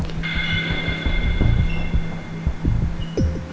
aku minta sedikit waktu lagi